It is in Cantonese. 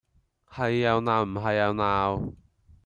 係又鬧唔係又鬧